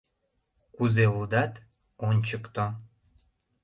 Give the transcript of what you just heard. Кузе лудат, ончыкто.